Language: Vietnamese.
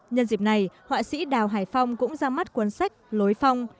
nhân dịp này họa sĩ đào hải phong cũng ra mắt cuốn sách lối phong